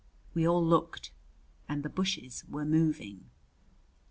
We all looked, and the bushes were moving.